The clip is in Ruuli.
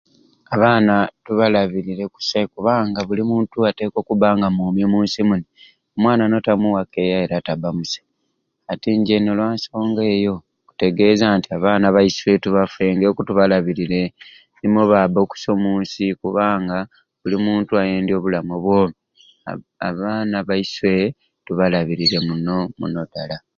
Abaana tubalbire kusai kubanga buli muntu atekwa okubba nga mwomi omunsi muni omwana notamuwa keya era taba kusai ati njena nolwa nsonga eyo nkutegeeza nti abaana baiswe tubafengeku tubalabirire nimwo babba okusai omunsi kubanga buli muntu ayendya obulamu obwomi abaana baiswe tubalabiire muno muno dala.